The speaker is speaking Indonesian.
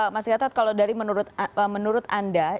mas gatot kalau dari menurut anda